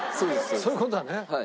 そういう事だね。